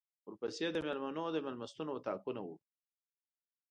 ورپسې د مېلمنو د مېلمستون اطاقونه وو.